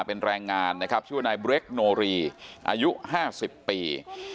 เป็นแรงงานนะครับชื่อว่านายเบรคโนรีอายุ๕๐ปี